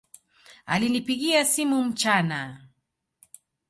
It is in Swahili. Alinipigia simu mchana